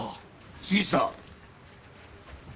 杉下！